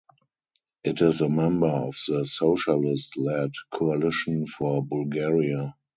It is a member of the Socialist-led Coalition for Bulgaria.